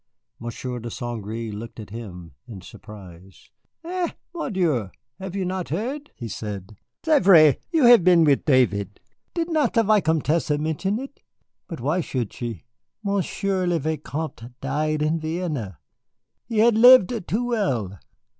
Monsieur de St. Gré looked at him in surprise. "Eh, mon Dieu, have you not heard?" he said. "C'est vrai, you have been with David. Did not the Vicomtesse mention it? But why should she? Monsieur le Vicomte died in Vienna. He had lived too well."